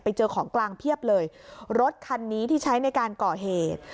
เจอของกลางเพียบเลยรถคันนี้ที่ใช้ในการก่อเหตุ